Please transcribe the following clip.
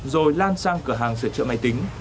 rồi lan sang cửa hàng sửa chữa máy tính